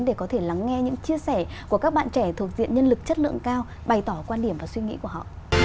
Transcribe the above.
để có thể lắng nghe những chia sẻ của các bạn trẻ thuộc diện nhân lực chất lượng cao bày tỏ quan điểm và suy nghĩ của họ